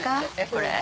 これ？